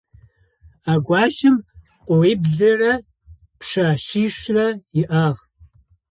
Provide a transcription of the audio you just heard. А гуащэм къуиблырэ пшъэшъищрэ иӏагъ.